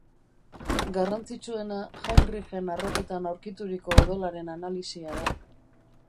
Garrantzitsuena, Heinrichen arropetan aurkituriko odolaren analisia da.